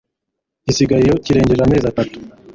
gisigaye iyo kirengeje amezi atatu